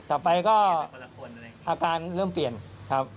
ต่อไปก็อาการเริ่มเปลี่ยนครับ